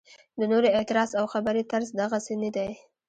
د نورو اعتراض او خبرې طرز دغسې نه دی.